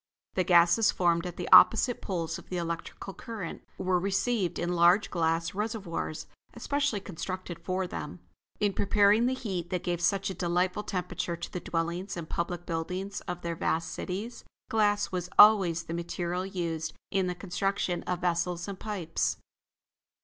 The gases formed at the opposite poles of the electrical current, were received in large glass reservoirs, especially constructed for them. In preparing the heat that gave such a delightful temperature to the dwellings and public buildings of their vast cities, glass was always the material used in the construction of vessels and pipes.